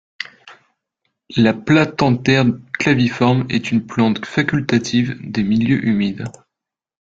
La Platanthère claviforme est une plante facultative des milieux humides.